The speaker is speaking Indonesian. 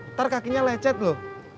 ntar kakinya lecet loh